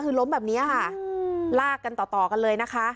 คือร้มแบบเนี้ยลากกันต่อกันเลยนะคะ